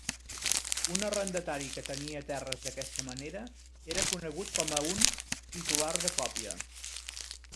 Un arrendatari que tenia terres d'aquesta manera era conegut com a un "titular de còpia".